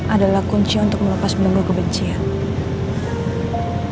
adalah kunci untuk melepas menunggu kebencian